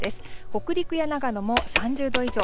北陸や長野も３０度以上。